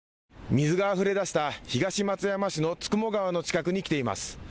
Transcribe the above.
水があふれ出した東松山市の九十九川の近くに来ています。